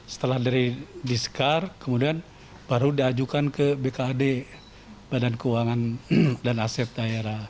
setelah dari disekar kemudian baru diajukan ke bkd badan keuangan dan aset daerah